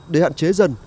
để hạn chế dần